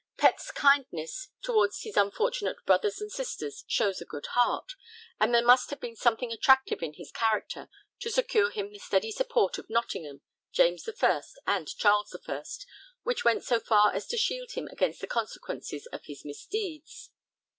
Pett's kindness towards his unfortunate brothers and sisters shows a good heart, and there must have been something attractive in his character to secure him the steady support of Nottingham, James I, and Charles I, which went so far as to shield him against the consequences of his misdeeds.